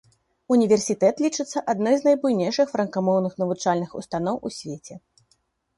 Універсітэт лічыцца адной з найбуйнейшых франкамоўных навучальных устаноў у свеце.